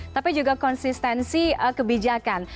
tapi juga konsistensi kebijakan